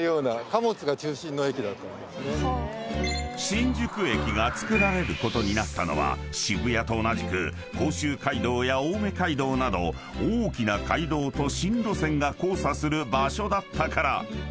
［新宿駅がつくられることになったのは渋谷と同じく甲州街道や青梅街道など大きな街道と新路線が交差する場所だったから］